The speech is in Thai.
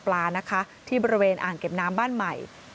ปลานะคะที่บริเวณอ่างเก็บน้ำบ้านใหม่